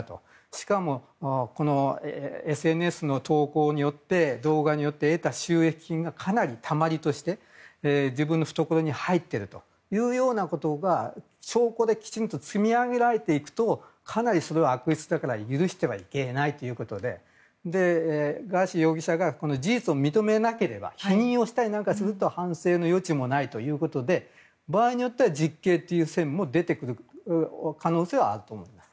しかもこのＳＮＳの投稿によって動画によって得た収益金がかなり、たまりとして自分の懐に入っているということが証拠できちんと積み上げられていくとかなりそれは悪質だから許してはいけないということでガーシー容疑者が事実を認めなければ否認をしたりなんかすると反省の余地もないということで場合によっては実刑という線も出てくる可能性はあると思います。